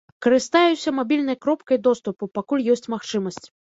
Карыстаюся мабільнай кропкай доступу, пакуль ёсць магчымасць.